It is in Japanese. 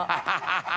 ハハハ